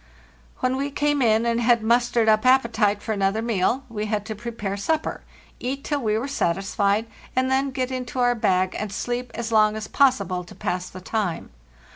When we came in, and had mustered up appetite for another meal, we had to prepare supper, eat till we were satisfied, and then get into our bag and sleep as long as possible to pass the time.